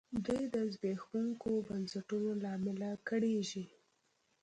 دوی د زبېښونکو بنسټونو له امله کړېږي.